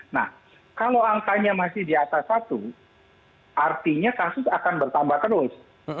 nah kalau angkanya masih di atas satu artinya kasus akan bertambah terus